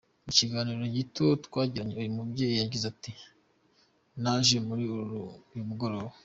Mu kiganiro gito twagiranye, uyu mubyeyi yagize ati : “Naje muri uyu mugoroba.